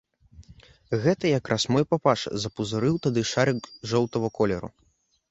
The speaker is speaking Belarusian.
Гэта як раз мой папаша запузырыў тады шарык жоўтага колеру.